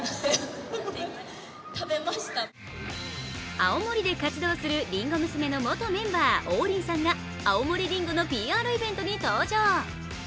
青森で活動するりんご娘の元メンバー、王林さんが青森りんごのＰＲイベントに登場。